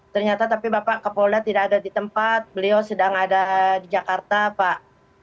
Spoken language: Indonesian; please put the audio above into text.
ternyata tapi bapak kapolda tidak ada di tempat beliau sedang ada di jakarta pak